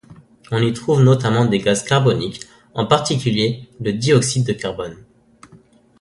On y trouve notamment des gaz carboniques, en particulier le dioxyde de carbone.